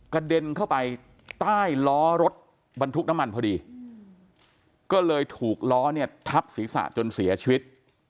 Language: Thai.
เด็นเข้าไปใต้ล้อรถบรรทุกน้ำมันพอดีก็เลยถูกล้อเนี่ยทับศีรษะจนเสียชีวิต